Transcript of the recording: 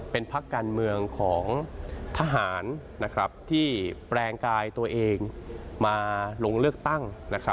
เป็นพักการเมืองของทหารที่แปลงกายตัวเองมาลงเลือกตั้ง